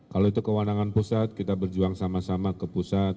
kalau itu kewenangan pusat kita berjuang sama sama ke pusat